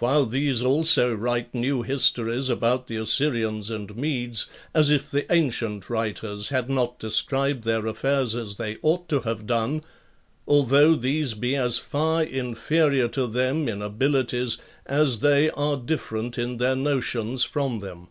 While these also write new histories about the Assyrians and Medes, as if the ancient writers had not described their affairs as they ought to have done; although these be as far inferior to them in abilities as they are different in their notions from them.